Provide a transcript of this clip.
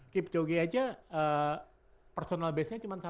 keep jogging aja personal base nya cuma satu menit kan